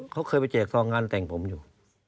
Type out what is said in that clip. เขาเคยไปแจกซองงานแต่งผมอยู่